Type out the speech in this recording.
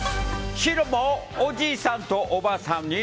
シロもおじいさんとおばあさんにィ！